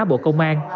bộ công an